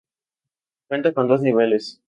Cuenta con dos niveles.